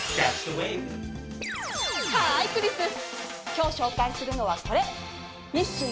今日紹介するのはこれ。